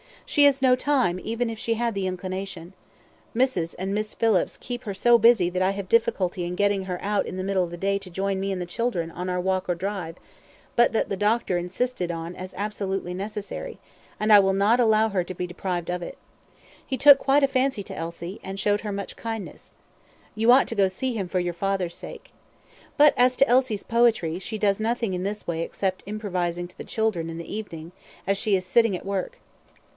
"She has no time even if she had the inclination. Mrs. and Miss Phillips keep her so busy that I have difficulty in getting her out in the middle of the day to join me and the children in our walk or drive; but that the doctor insisted on as absolutely necessary, and I will not allow her to be deprived of it. He took quite a fancy to Elsie, and showed her much kindness. You ought to go to see him for your father's sake. But as to Elsie's poetry, she does nothing in this way except improvising to the children in the evening, as she is sitting at work.